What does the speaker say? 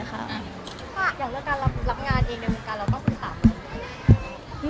อยากแล้วการรับงานเองในวงการแล้วต้องคุยกับอะไรไหม